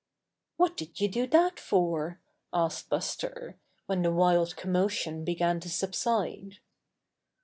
'What did you do that for?" asked Buster, when the wild commotion began to subside.